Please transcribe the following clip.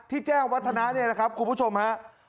ที่แจ้งวัฒนะนี่นะครับคุณผู้ชมครับ